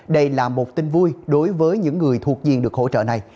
đây là một tin vui đối với những người thuộc diện được hỗ trợ này